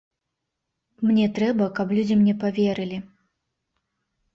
Мне трэба, каб людзі мне паверылі.